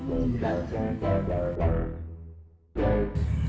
sebentar saya ambilin kuncinya